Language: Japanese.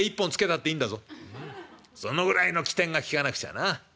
そのぐらいの機転が利かなくちゃな。